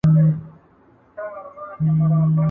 ¬ له ژرندي زه راځم، غوږونه ستا سپېره دي.